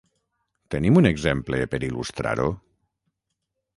Tenim un exemple per il·lustrar-ho?